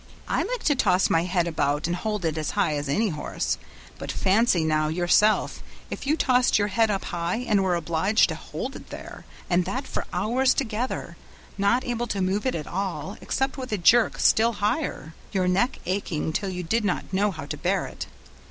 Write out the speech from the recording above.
"I like to toss my head about and hold it as high as any horse; but fancy now yourself, if you tossed your head up high and were obliged to hold it there, and that for hours together, not able to move it at all, except with a jerk still higher, your neck aching till you did not know how to bear it.